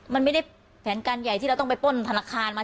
มันไม่ได้แผนการใหญ่ที่เราต้องไปป้นธนาคารมา